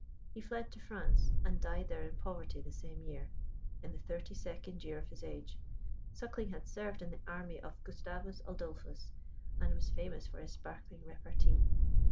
He fled to France, and died there in poverty the same year, in the thirty second year of his age. Suckling had served in the army of Gustavus Adolphus, and was famous for his sparkling repartee.